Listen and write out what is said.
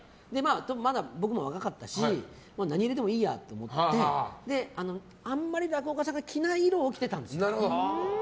まだ僕も若かったし何色でもいいやと思ってあんまり落語家さんが着ない色を着てたんですよ。